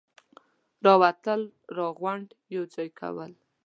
راټول ، راغونډ ، يوځاي کول,